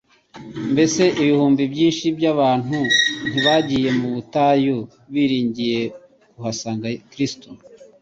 Mbese ibihumbi byinshi by'abantu ntibagiye mu butayu biringiye kuhasanga Kristo?